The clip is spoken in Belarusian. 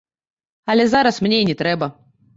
Але зараз мне і не трэба.